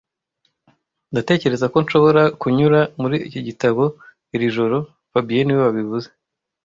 Ndatekereza ko nshobora kunyura muri iki gitabo iri joro fabien niwe wabivuze